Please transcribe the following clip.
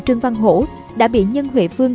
trương văn hổ đã bị nhân huệ vương